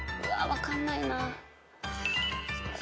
分かんない。